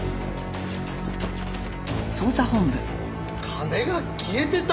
金が消えてた！？